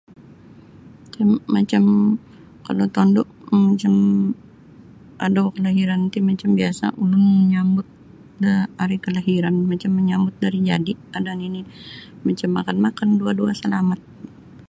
um macam kalau tondu um macam um adau kelahiran ti macam biasa ulun menyambut da hari kelahiran macam menyambut da ari jadi ada nini macam makan-makan dua-dua salamat.